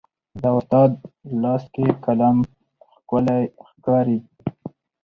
د استاد لاس کې قلم ښکلی ښکاري.